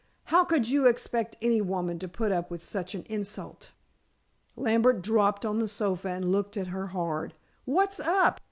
"How could you expect any woman to put up with such an insult?" Lambert dropped on the sofa and looked at her hard. "What's up?"